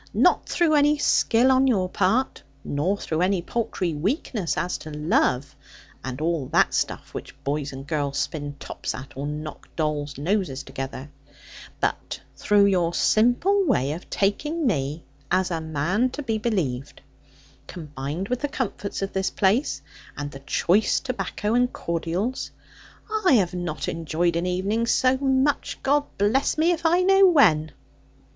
Not through any skill on your part, nor through any paltry weakness as to love (and all that stuff, which boys and girls spin tops at, or knock dolls' noses together), but through your simple way of taking me, as a man to be believed; combined with the comfort of this place, and the choice tobacco and cordials. I have not enjoyed an evening so much, God bless me if I know when!'